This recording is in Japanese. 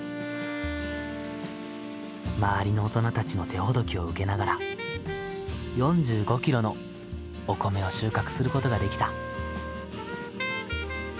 周りの大人たちの手ほどきを受けながら４５キロのお米を収穫することができた。